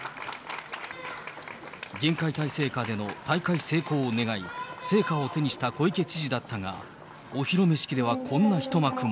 厳戒態勢下での大会成功を願い、聖火を手にした小池知事だったが、お披露目式ではこんな一幕も。